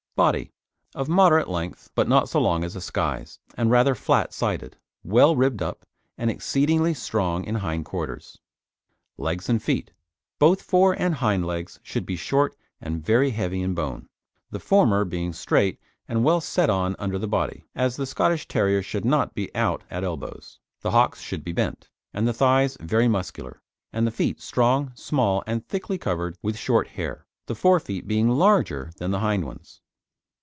BODY Of moderate length, but not so long as a Skye's, and rather flat sided; well ribbed up, and exceedingly strong in hind quarters. LEGS AND FEET Both fore and hind legs should be short and very heavy in bone, the former being straight and well set on under the body, as the Scottish Terrier should not be out at elbows. The hocks should be bent, and the thighs very muscular, and the feet strong, small and thickly covered with short hair, the fore feet being larger than the hind ones.